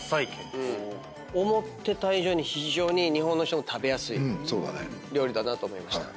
思ってた以上に非常に日本の人も食べやすい料理だなと思いました。